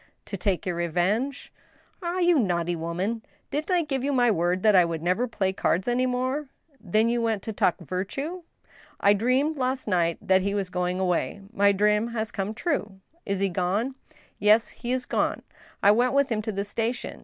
*" To take your revenge ?"" Ah ! you naughty woman ! Didn't I give you my word that I would never play cards any more ?"" Then you went to talk virtue ?"" I dreamed last night that he was going away. My dream has come true." " Is he going ?"" Yes, he is gone. I went with him to the station.